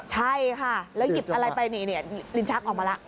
ใช่ค่ะแล้วหยิบอะไรไปนี่ลิ้นชักออกมาแล้ว